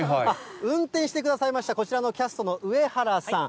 運転してくださいました、こちらのキャストの上原さん。